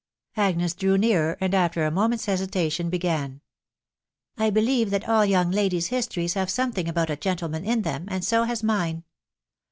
Agnes drew nearer, and after a moment's hesitation, began. " 1 believe that all young ladies' histories have something about a gentleman iu them, and so has mine